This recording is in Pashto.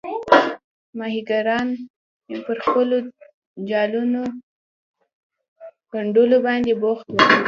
ماهیګیران پر خپلو جالونو ګنډلو باندې بوخت وو.